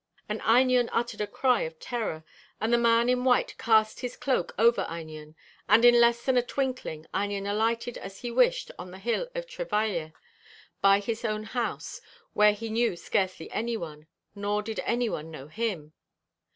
And Einion uttered a cry of terror; and the man in white cast his cloak over Einion, and in less than a twinkling Einion alighted as he wished on the hill of Treveilir, by his own house, where he knew scarcely any one, nor did any one know him.'